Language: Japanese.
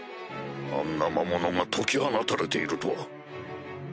あんな魔物が解き放たれているとは。